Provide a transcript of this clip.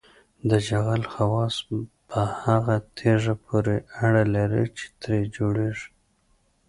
د جغل خواص په هغه تیږه پورې اړه لري چې ترې جوړیږي